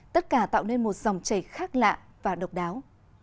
tất cả tạo nên một dòng chảy khác lạ và độc đáo